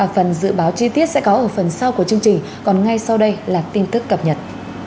phần dự báo chi tiết sẽ có ở phần sau của chương trình còn ngay sau đây là tin tức cập nhật